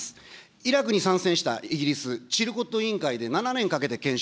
イラクに参戦したイギリス、チルコット委員会で７年かけて検証。